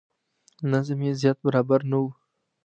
نظم یې زیات برابر نه و.